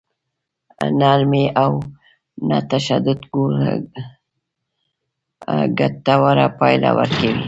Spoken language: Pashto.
نرمي او نه تشدد ګټوره پايله ورکوي.